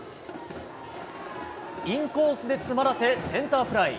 インコースで詰まらせセンターフライ。